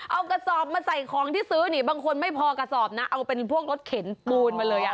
เอากระสอบมาใส่ของที่ซื้อนี่บางคนไม่พอกระสอบนะเอาเป็นพวกรถเข็นปูนมาเลยอ่ะ